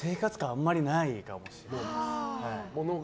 あんまりないかもしれないです。